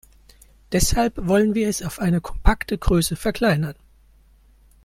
Deshalb wollen wir es auf eine kompakte Größe verkleinern.